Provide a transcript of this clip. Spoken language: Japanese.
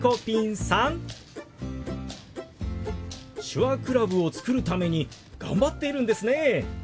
手話クラブを作るために頑張っているんですね。